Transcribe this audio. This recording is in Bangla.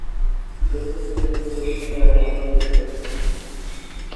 বেরুতে দেরি হবে ভেবে তিনি আবার ব্লান্নাঘরে ফিরে যান।